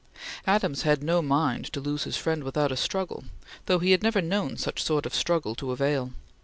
Adams had no mind to lose his friend without a struggle, though he had never known such sort of struggle to avail.